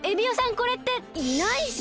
これっていないし！